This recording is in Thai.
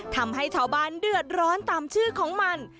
ทำให้ชาวบ้านเดือดร้อนตามชื่อของมัน